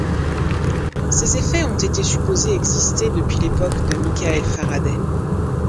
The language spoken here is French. Ces effets ont été supposés exister depuis l'époque de Michael Faraday.